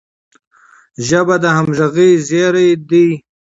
ژبه د همږغی زیری دی.